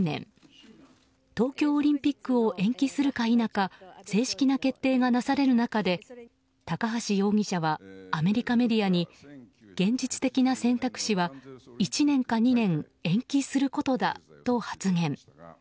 東京オリンピックを延期するか否か正式な決定がなされる中で高橋容疑者はアメリカメディアに現実的な選択肢は１年か２年延期することだと発言。